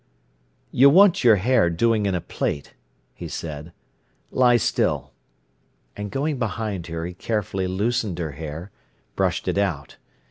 "You want your hair doing in a plait," he said. "Lie still." And going behind her, he carefully loosened her hair, brushed it out.